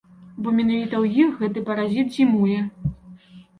Бо менавіта ў іх гэты паразіт зімуе.